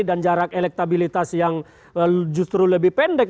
jarak elektabilitas yang justru lebih pendek